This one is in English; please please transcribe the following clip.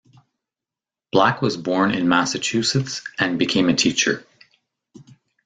Black was born in Massachusetts, and became a teacher.